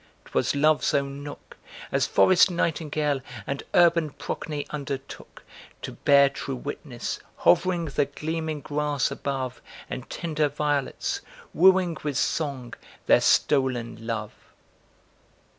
'Twas Love's own nook, As forest nightingale and urban Procne undertook To bear true witness; hovering, the gleaming grass above And tender violets; wooing with song, their stolen love.